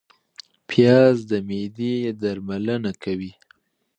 پیاز د معدې درملنه کوي